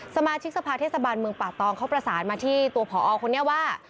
สมาชิกสภาเทศบาลเมืองป่าตองเขาประสานมาที่ตัวผอคนนี้ว่า